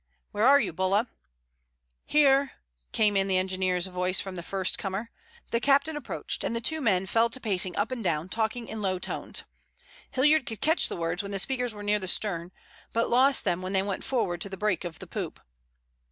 "Where are you, Bulla?" "Here," came in the engineer's voice from the first comer. The captain approached and the two men fell to pacing up and down, talking in low tones. Hilliard could catch the words when the speakers were near the stern, but lost them when they went forward to the break of the poop.